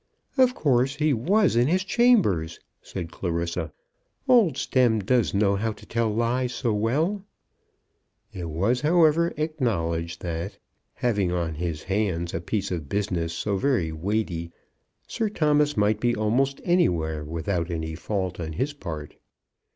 "Of course he was in his chambers," said Clarissa. "Old Stemm does know how to tell lies so well!" It was, however, acknowledged that, having on his hands a piece of business so very weighty, Sir Thomas might be almost anywhere without any fault on his part.